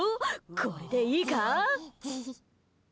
これでいいか？